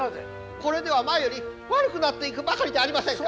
これでは前より悪くなっていくばかりじゃありませんか。